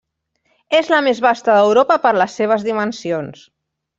És la més vasta d'Europa per les seves dimensions.